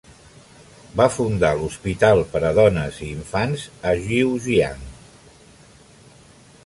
Va fundar l'Hospital per a Dones i Infants en Jiujiang.